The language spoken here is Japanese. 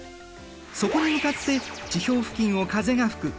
そこに向かって地表付近を風が吹く。